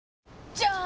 じゃーん！